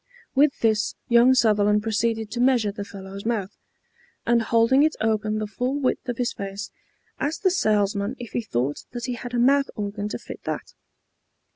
With this young Sutherland proceeded to measure the fellow's mouth, and holding it open the full width of his face, asked the salesman if he thought that he had a mouth organ to fit that.